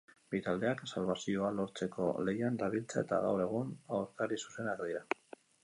Bi taldeak salbazioa lortzeko lehian dabiltza eta gaur egun aurkari zuzenak dira.